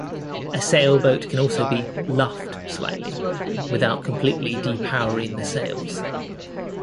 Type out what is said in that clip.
A sailboat can also be "luffed" slightly without completely de-powering the sails.